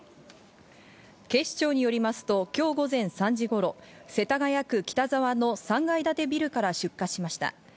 警視庁によりますときょう午前３時頃、世田谷区北沢の３階建てビルから出火しました。